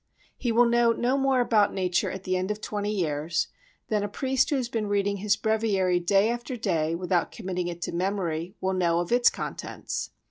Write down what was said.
He will know no more about nature at the end of twenty years than a priest who has been reading his breviary day after day without committing it to memory will know of its contents.